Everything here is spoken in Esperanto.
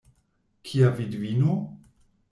Kia vidvino?